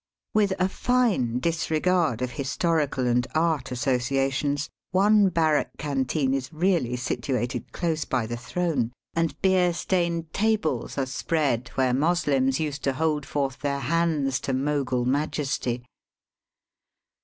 With a fine disregard of historical and art associations, one Digitized by VjOOQIC DELHI. 301 barrack canteen is really situated close by the throne, and beer stained tables are spread where Moslems used to hold forth their hands to Mogul majesty.